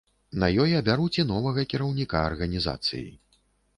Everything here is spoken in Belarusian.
На ёй абяруць і новага кіраўніка арганізацыі.